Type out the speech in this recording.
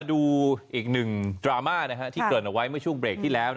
ดูอีกหนึ่งดราม่าที่เกิดเอาไว้เมื่อช่วงเบรกที่แล้ว